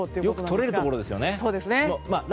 よくとれるところですね。